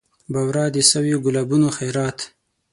بورا د سویو ګلابونو خیرات